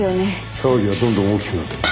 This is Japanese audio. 騒ぎはどんどん大きくなってる。